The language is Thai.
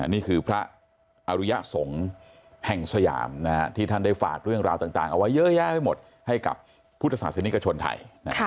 นี่คือพระอริยสงฆ์แห่งสยามที่ท่านได้ฝากเรื่องราวต่างเอาไว้เยอะแยะไปหมดให้กับพุทธศาสนิกชนไทย